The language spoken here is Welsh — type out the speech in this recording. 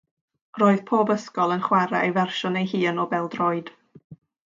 Roedd pob ysgol yn chwarae ei fersiwn ei hun o bel-droed.